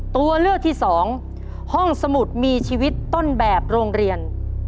ตัวเลือกที่สองห้องสมุดมีชีวิตต้นแบบโรงเรียน